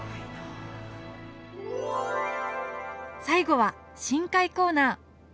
最後は深海コーナー！